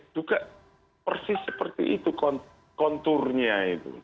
juga persis seperti itu konturnya itu